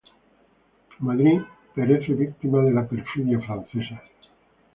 Madrid perece víctima de la perfidia francesa.